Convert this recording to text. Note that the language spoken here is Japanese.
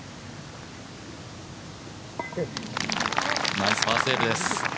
ナイスパーセーブです。